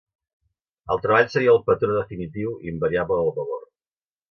El treball seria el patró definitiu i invariable del valor.